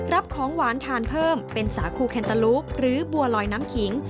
ของหวานทานเพิ่มเป็นสาคูแคนเตอร์ลูปหรือบัวลอยน้ำขิง